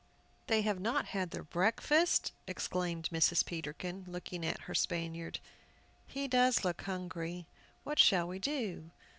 "They have not had their breakfast!" exclaimed Mrs. Peterkin, looking at her Spaniard; "he does look hungry! What shall we do?"